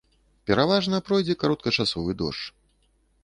Пераважна пройдзе кароткачасовы дождж.